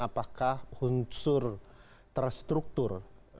apakah unsur terstruktur